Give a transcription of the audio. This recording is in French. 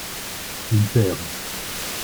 Une paire.